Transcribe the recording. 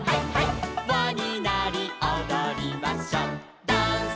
「わになりおどりましょう」